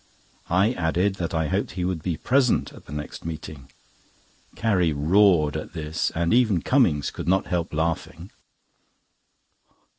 I added that I hoped he would be present at the next meeting. Carrie roared at this, and even Cummings could not help laughing.